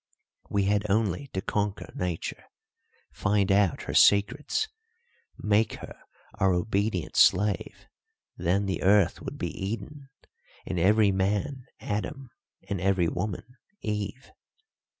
We had only to conquer Nature, find out her secrets, make her our obedient slave, then the earth would be Eden, and every man Adam and every Woman Eve.